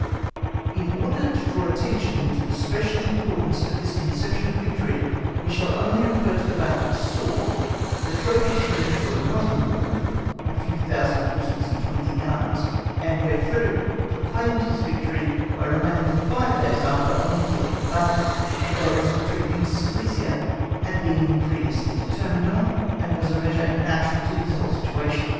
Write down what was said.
In order to draw attention to the special importance of this conception of victory we shall only refer to the battle of Soor,(*) the trophies from which were not important (a few thousand prisoners and twenty guns), and where Frederick proclaimed his victory by remaining for five days after on the field of battle, although his retreat into Silesia had been previously determined on, and was a measure natural to his whole situation.